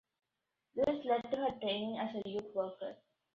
This led to her training as a youth worker.